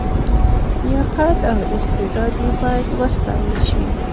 لیاقت او استعداد یې باید وستایل شي.